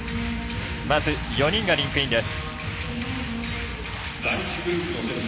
まず４人がリンクインです。